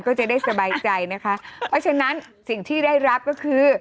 ก็จะได้สบายใจนะคะเพราะฉะนั้นสิ่งที่ได้รับก็คือ